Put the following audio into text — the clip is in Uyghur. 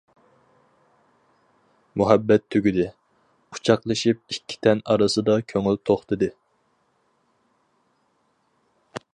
مۇھەببەت تۈگىدى، قۇچاقلىشىپ ئىككى تەن ئارىسىدا كۆڭۈل توختىدى.